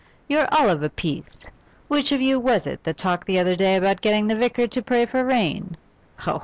You're all of a piece. Which of you was it that talked the other day about getting the vicar to pray for rain?